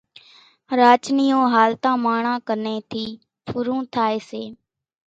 راچ نِيون هالتان ماڻۿان ڪنين ٿِي ڦُرون ٿائيَ سي۔